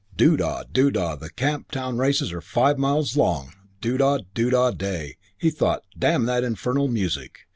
...Doo da! Doo da! The Camp Town races are five miles long, Doo da! Doo da! Day! He thought, "Damn that infernal music."